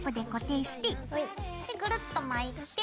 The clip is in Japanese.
でぐるっと巻いて。